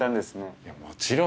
いやもちろん。